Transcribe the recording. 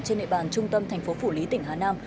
trên địa bàn trung tâm thành phố phủ lý tỉnh hà nam